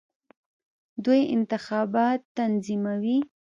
دوی انتخابات تنظیموي.